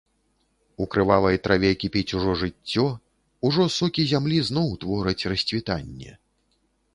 У крывавай траве кіпіць ужо жыццё, ужо сокі зямлі зноў твораць расцвітанне.